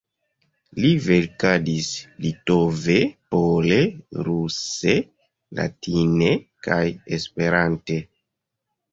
Li verkadis litove, pole, ruse, latine kaj Esperante.